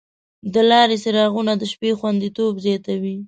د لارې څراغونه د شپې خوندیتوب زیاتوي.